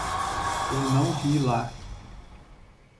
Eu não vi lá.